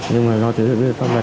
nhưng mà do chứa được pháp luật